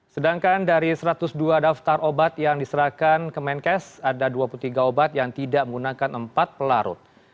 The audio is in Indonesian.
sedangkan dari satu ratus dua daftar obat yang diserahkan ke menkes ada dua puluh tiga obat yang tidak menggunakan empat pelarut